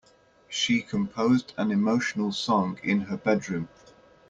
She composed an emotional song in her bedroom.